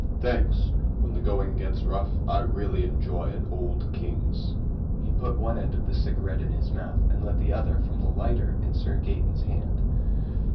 "Thanks. When the going gets rough, I really enjoy an Old Kings." He put one end of the cigarette in his mouth and lit the other from the lighter in Sir Gaeton's hand.